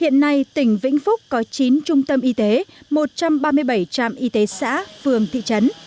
hiện nay tỉnh vĩnh phúc có chín trung tâm y tế một trăm ba mươi bảy trạm y tế xã phường thị trấn